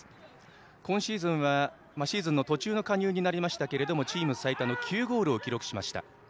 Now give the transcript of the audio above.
今シーズンはシーズンの途中の加入になりましたけどチーム最多の９ゴールを記録しました。